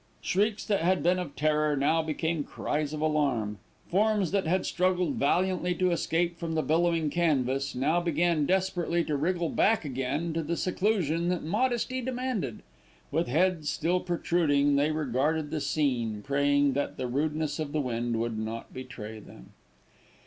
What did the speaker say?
Shrieks that had been of terror now became cries of alarm. Forms that had struggled valiantly to escape from the billowing canvas, now began desperately to wriggle back again to the seclusion that modesty demanded. With heads still protruding they regarded the scene, praying that the rudeness of the wind would not betray them.